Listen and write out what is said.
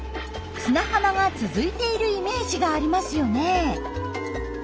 砂浜が続いているイメージがありますよね。